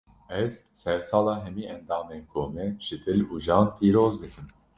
Ez, sersala hemî endamên komê, ji dil û can pîroz dikim